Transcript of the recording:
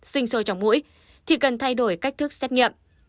sinh sôi trong mũi thì cần thay đổi cách thức xét nghiệm